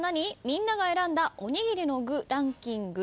「みんなが選んだおにぎりの具ランキング」です。